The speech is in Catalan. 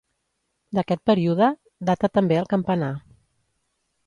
D'aquest període data també el campanar.